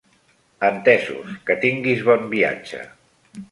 Entesos. Que tinguis bon viatge!